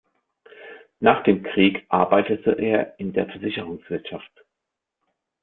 Nach dem Krieg arbeitete er in der Versicherungswirtschaft.